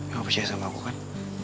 kamu percaya sama aku kan